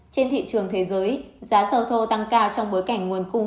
trên thị trường thế giới giá dầu thô tăng cao trong bối cảnh nguồn cung